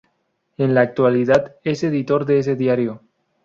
En la actualidad es editor de ese diario.